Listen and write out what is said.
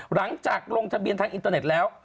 หลังจากลงทะเบียนทางอินเตอร์เน็ตแล้ว